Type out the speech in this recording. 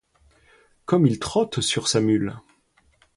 Comme il trotte sur sa mule!